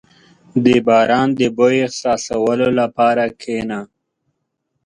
• د باران د بوی احساسولو لپاره کښېنه.